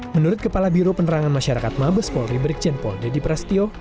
menurut kepala biro penerangan masyarakat mabes polri berikjen poldedi prastio